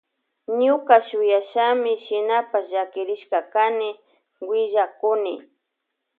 Ñuka shuyashami shinapash llakirishka kani willakuni.